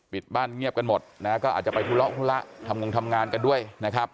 ปิดบ้านเงียบกันหมดนะก็อาจจะไปทุระทำงานกันด้วยนะครับ